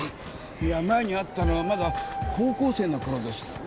いや前に会ったのはまだ高校生の頃でしたよね。